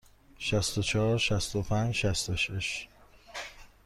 شصت و چهار، شصت و پنج، شصت و شش.